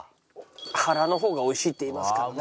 腹の方が美味しいっていいますからね。